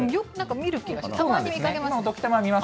見る気がします。